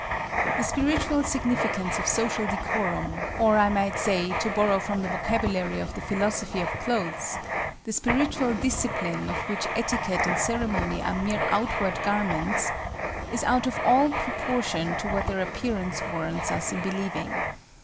The spiritual significance of social decorum,—or, I might say, to borrow from the vocabulary of the "Philosophy of Clothes," the spiritual discipline of which etiquette and ceremony are mere outward garments,—is out of all proportion to what their appearance warrants us in believing.